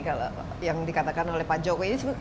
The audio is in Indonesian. saya ingat ini kalau yang dikatakan oleh pak jokowi